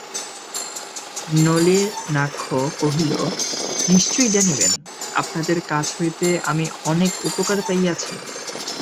নলিনাক্ষ কহিল, নিশ্চয় জানিবেন, আপনাদের কাছ হইতে আমি অনেক উপকার পাইয়াছি।